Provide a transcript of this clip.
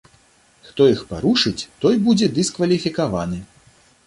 Хто іх парушыць той будзе дыскваліфікаваны.